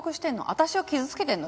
私を傷つけてんの？